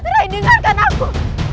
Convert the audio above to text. rai dengarkan aku